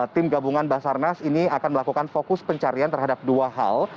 tim gabungan basarnas ini akan melakukan fokus pencarian terhadap dua hal